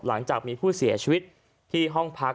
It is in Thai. หลังจากมีผู้เสียชีวิตที่ห้องพัก